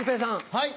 はい。